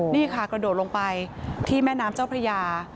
นี่ค่ะกระโดดลงไปที่แม่น้ำเจ้าพระยา